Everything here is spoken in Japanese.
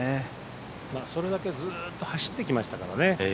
それだけずっと走ってきましたからね。